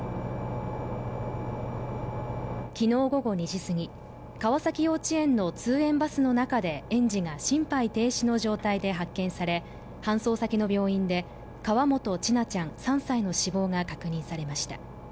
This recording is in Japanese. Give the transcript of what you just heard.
昨日午後２時すぎ、川崎幼稚園の通園バスの中で園児が心肺停止の状態で発見され搬送先の病院で河本千奈ちゃん３歳の死亡が確認されました。